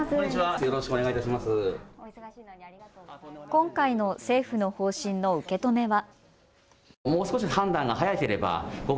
今回の政府の方針の受け止めは。